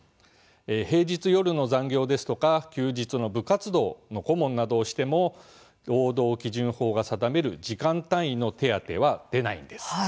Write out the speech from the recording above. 平日夜の残業ですとか休日の部活動などの顧問などをしても労働基準法が定める時間単位の手当は出ないんです。